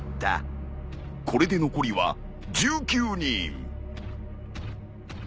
これで残りは１９人。